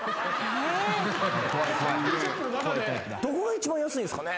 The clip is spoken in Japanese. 「どこが一番安いんすかね？」